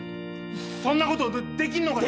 そんなことできんのかよ！